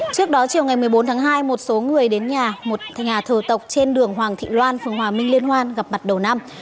trước đó chiều ngày một mươi bốn tháng hai một số người đến nhà một nhà thờ tộc trên đường hoàng thị loan phường hòa minh liên hoan gặp mặt đầu năm